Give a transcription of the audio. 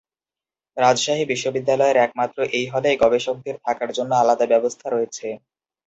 রাজশাহী বিশ্ববিদ্যালয়ের একমাত্র এই হলেই গবেষকদের থাকার জন্য আলাদা ব্যবস্থা রয়েছে।